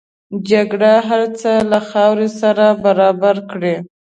جګړه هر څه له خاورو سره برابر کړي